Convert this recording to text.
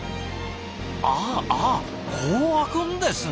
ああこう開くんですね！？